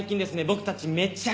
僕たち